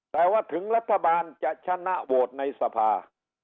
แต่ว่าถึงรัฐบาลจะชนะโหวตในสภา